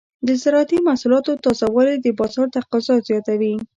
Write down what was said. د زراعتي محصولاتو تازه والي د بازار تقاضا زیاتوي.